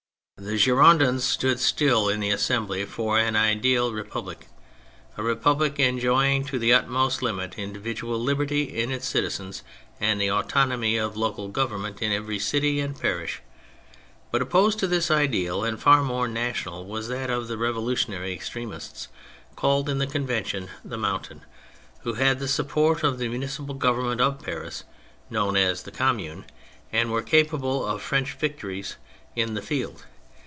The Girondins still stood in the Assembly for an ideal republic; a republic enjoying to the utmost limit individual liberty in its citizens and the autonomy of local government in every city and parish ; but opposed to this ideal, and far more national, was that of the revolutionary extremists, called in the Convention " the Mountain," who had the support of the Municipal Govern ment of Paris (known as " the Commune "), and were capable of French victories in the field.